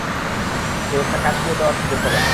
একটা কাশি দেওয়ারও সুযোগ পাবে না।